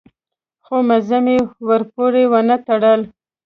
خو مزي مې ورپورې ونه تړل.